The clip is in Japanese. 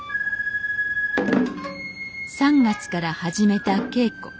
３月から始めた稽古。